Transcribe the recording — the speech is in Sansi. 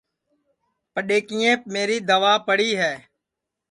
پڈؔؔیکِیئیپ میری دوا پڑی ہے